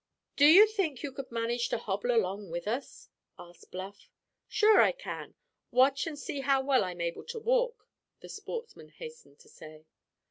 "Do you think you could manage to hobble along with us?" asked Bluff. "Sure I can; watch and see how well I'm able to walk," the sportsman hastened to say.